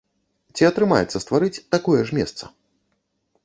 Ці атрымаецца стварыць такое ж месца?